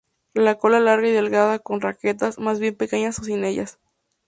La cola larga y delgada con raquetas más bien pequeñas o sin ellas.